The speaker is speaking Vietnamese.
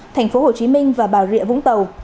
thành phố hồ chí minh và bà rịa vũng tàu